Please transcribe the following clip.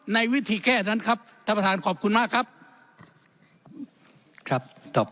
ในวิธีแค่นั้นครับท่านประธานขอบคุณมากครับครับ